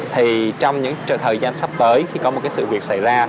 thì trong những thời gian sắp tới khi có một sự việc xảy ra